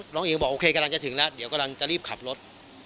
อิ๋วบอกโอเคกำลังจะถึงแล้วเดี๋ยวกำลังจะรีบขับรถ